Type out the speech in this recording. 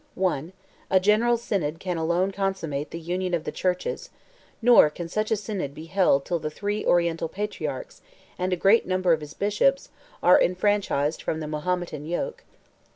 "1. A general synod can alone consummate the union of the churches; nor can such a synod be held till the three Oriental patriarchs, and a great number of bishops, are enfranchised from the Mahometan yoke.